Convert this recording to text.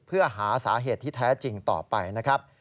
เพื่อหาสาเหตุที่แท้จริงต่อไปนะครับ